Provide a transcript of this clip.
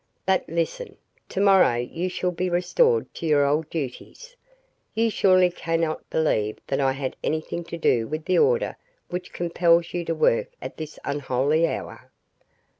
But listen: to morrow you shall be restored to your old duties. You surely cannot believe that I had anything to do with the order which compels you to work at this unholy hour."